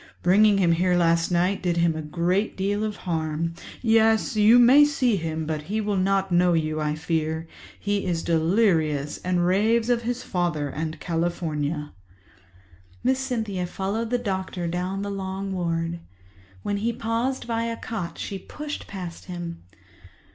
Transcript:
Bringing him here last night did him a great deal of harm. Yes, you may see him, but he will not know you, I fear—he is delirious and raves of his father and California." Miss Cynthia followed the doctor down the long ward. When he paused by a cot, she pushed past him.